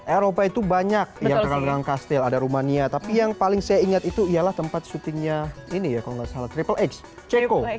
eropa itu banyak yang terkenal dengan kastil ada rumania tapi yang paling saya ingat itu ialah tempat syutingnya ini ya kalau nggak salah triple x ceko